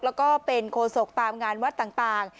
แล้วก็เป็นโคศกตามงานวัดต่าง